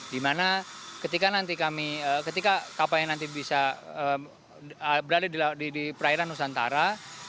di mana ketika nanti kami ketika kapal yang nanti bisa berada di perairan nusantara